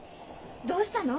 どうしたの？